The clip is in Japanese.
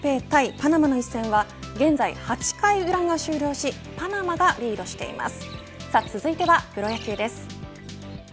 パナマの一戦は現在８回裏が終了しパナマがリードしています。